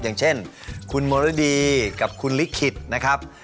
อย่างเช่นคุณมรดีกับคุณลิขิตนะครับ